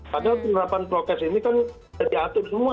padahal penerapan prokes ini kan sudah diatur semua